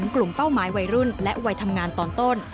กลุ่มเป้าหมายวัยรุ่นและวัยทำงานตอนต้น